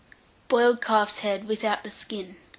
BOILED CALF'S HEAD (without the Skin).